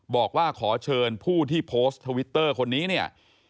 บอกว่าขอเชิญผู้ที่โพสต์ทวิตเตอร์คนนี้เนี่ย